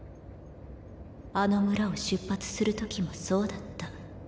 あの村を出発するときもそうだった。